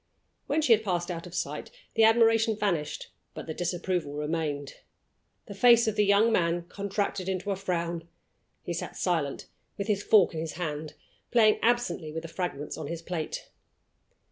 When she had passed out of sight the admiration vanished, but the disapproval remained. The face of the young man contracted into a frown: he sat silent, with his fork in his hand, playing absently with the fragments on his plate.